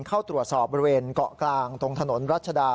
เข้าตรวจสอบบริเวณเกาะกลางตรงถนนรัชดา